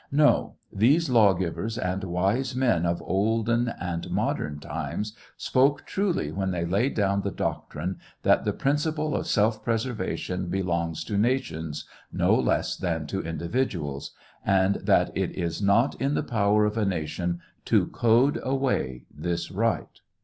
No, these law givers and wise men of olden and modern times spoke truly when they laid down the doctrine that the principle of self preservation belongs to nations, no less than to individuals ; and that it is not in the power of a nation to code away this right.